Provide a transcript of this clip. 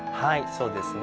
そうですね。